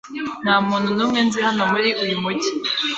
Nta muntu n'umwe nzi hano muri uyu mujyi.